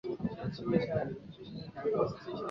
这些说法为受体学说奠定了基础。